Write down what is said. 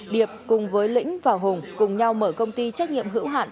điệp cùng với lĩnh và hùng cùng nhau mở công ty trách nhiệm hữu hạn